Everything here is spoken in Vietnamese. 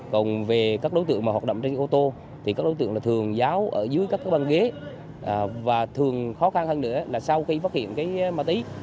còn về các đối tượng mà hoạt động trên ô tô thì các đối tượng là thường giáo ở dưới các cái băng ghế và thường khó khăn hơn nữa là sau khi phát hiện cái ma túy